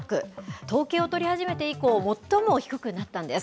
統計を取り始めて以降、最も低くなったんです。